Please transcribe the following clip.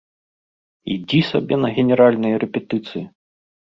Ідзі сабе на генеральныя рэпетыцыі!